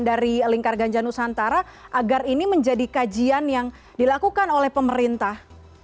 dari lingkar ganja nusantara agar ini menjadi kajian yang dilakukan oleh pemerintah